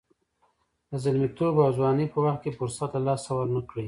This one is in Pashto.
د زلمیتوب او ځوانۍ په وخت کې فرصت له لاسه ورنه کړئ.